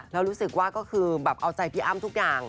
แล้วรู้สึกว่าก็คือแบบเอาใจพี่อ้ำทุกอย่าง